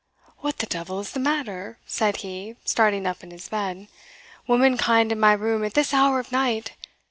"What the devil is the matter?" said he, starting up in his bed "womankind in my room at this hour of night!